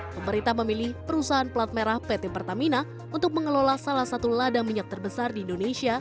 pemerintah memilih perusahaan pelat merah pt pertamina untuk mengelola salah satu ladang minyak terbesar di indonesia